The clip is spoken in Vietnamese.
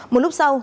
một lúc sau